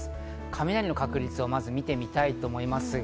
雷の確立をまず見てみたいと思います。